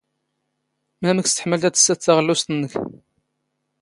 ⵎⴰⵎⴽ ⵙ ⵜⵃⵎⵍⴷ ⴰⴷ ⵜⵙⵙⴰⴷ ⵜⴰⵖⵍⵓⵙⵜ ⵏⵏⴽ.